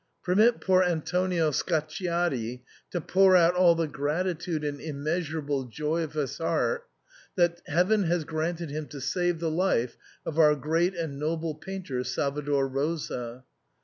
Permit poor Antonio Scacciati to pour out all the gratitude and immeasu rable joy of his heart that Heaven has granted him to save the life of our great and noble painter, Salvator Rosa."